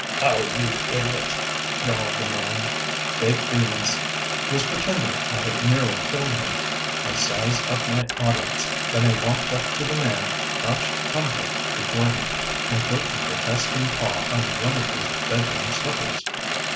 "Oh! you idiot," growled the man. Baked Beans was pretending I had nearly killed him. I sized up my audience, then I walked up to the man, crouched humbly before him, and put a protesting paw on one of his bed room slippers.